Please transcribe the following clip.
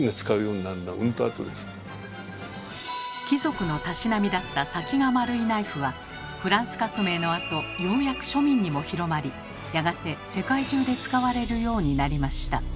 貴族のたしなみだった「先が丸いナイフ」はフランス革命のあとようやく庶民にも広まりやがて世界中で使われるようになりました。